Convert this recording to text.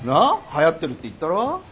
はやってるって言ったろ？